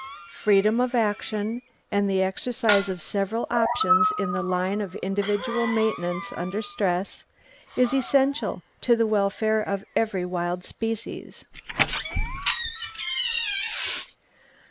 Freedom of action, and the exercise of several options in the line of individual maintenance under stress, is essential to the welfare of every wild species.